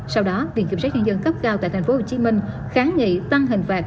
sau đó viện kiểm soát nhân dân cấp cao tại tp hcm kháng nghị tăng hình phạt